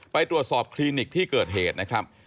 ไปตรวจสอบคลินิกที่เกิดเหตุนะครับ